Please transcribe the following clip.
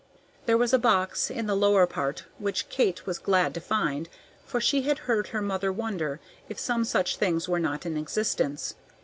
There was a box in the lower part which Kate was glad to find, for she had heard her mother wonder if some such things were not in existence.